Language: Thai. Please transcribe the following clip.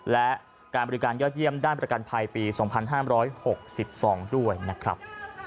และการบริการยอดเยี่ยมด้านประกันภัยปี๒๕๖๒ด้วยนะครับ